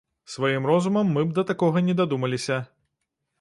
Сваім розумам мы б да такога не дадумаліся.